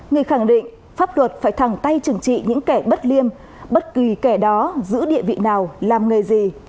người khẳng định pháp luật phải thẳng tay chừng trị những kẻ bất liêm bất kỳ kẻ đó giữ địa vị nào làm nghề gì